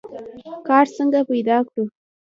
کار څنګه پیدا کړو؟